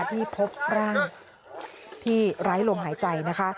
ที่พบร่างที่ไร้ลมหายใจนะคะ